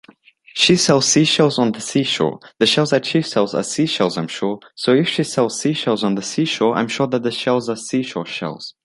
She sells sea shells on the sea shore; The shells that she sells are sea shells I’m sure. So if she sells sea shells on the sea shore, I’m sure that the shells are sea shore shells.